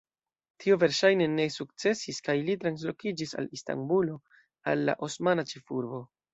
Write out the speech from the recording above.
Tio verŝajne ne sukcesis kaj li translokiĝis al Istanbulo, al la osmana ĉefurbo.